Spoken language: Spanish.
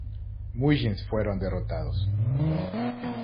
Mullins fueron derrotados.